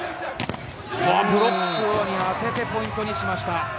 ブロッカーに当ててポイントにしました。